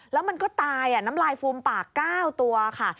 แล้วมันก็ตายน้ำลายฟูมปาก๙ตัวค่ะ